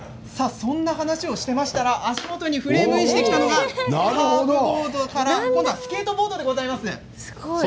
そんな話をしていましたら足元にフレームインしてきたのがサーフボードから今度はスケートボードでございます。